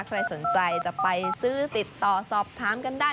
ใครสนใจจะไปซื้อติดต่อสอบถามกันได้